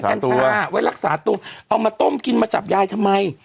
เอาไว้รักษาตัวเอาไว้รักษาตัวเอามาต้มกินมาจับยายทำไม